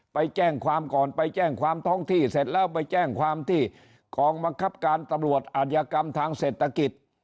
ไปแจ้งความก่อนไปแจ้งความท้องที่เสร็จแล้วไปแจ้งความที่กองบังคับการตำรวจอาจยากรรมทางเศรษฐกิจ